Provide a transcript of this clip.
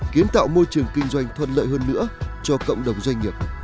kiến tạo môi trường kinh doanh thuận lợi hơn nữa cho cộng đồng doanh nghiệp